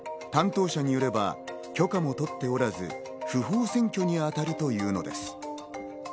担当者によれば、許可も取っておらず、不法占拠に当たるというのです。